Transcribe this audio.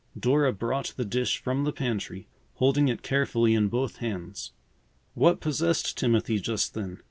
Dora brought the dish from the pantry, holding it carefully in both hands. What possessed Timothy just then?